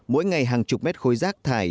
mỗi ngày hàng chục mét khối rác thải